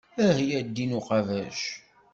Ahya a ddin uqabac.